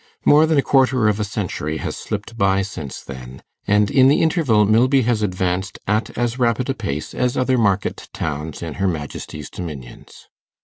More than a quarter of a century has slipped by since then, and in the interval Milby has advanced at as rapid a pace as other market towns in her Majesty's dominions.